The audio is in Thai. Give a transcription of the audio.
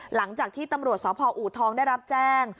หลังจากที่ตำรวจสพอูทองได้รับแจ้ง